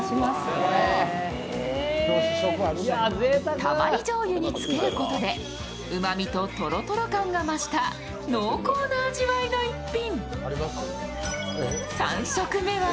たまりじょうゆに漬けることでうまみととろとろ感が増した濃厚な味わいの逸品。